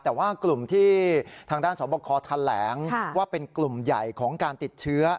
แต่ว่ากลุ่มที่ทางด้านสวบคอแถลงว่าเป็นกลุ่มใหญ่ของการติดเชื้อ